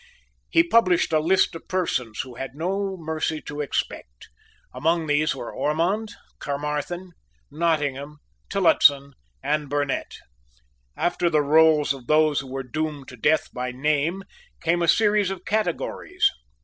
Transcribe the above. He published a list of persons who had no mercy to expect. Among these were Ormond, Caermarthen, Nottingham, Tillotson and Burnet. After the roll of those who were doomed to death by name, came a series of categories.